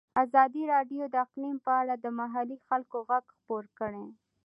ازادي راډیو د اقلیم په اړه د محلي خلکو غږ خپور کړی.